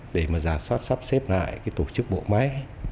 để mà giả soát sắp xếp lại cái tổ chức bộ máy